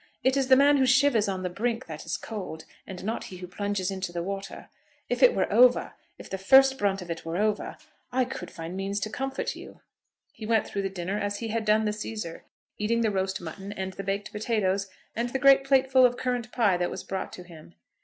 It is the man who shivers on the brink that is cold, and not he who plunges into the water. If it were over, if the first brunt of it were over, I could find means to comfort you." He went through the dinner, as he had done the Cæsar, eating the roast mutton and the baked potatoes, and the great plateful of currant pie that was brought to him.